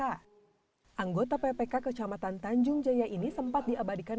anggota ppk kecamatan tanjung jaya ini sempat diabadikan